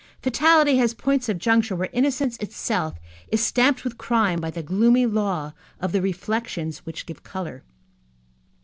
Fatality has points of juncture where innocence itself is stamped with crime by the gloomy law of the reflections which give color.